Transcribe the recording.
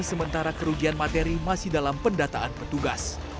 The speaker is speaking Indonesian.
sementara kerugian materi masih dalam pendataan petugas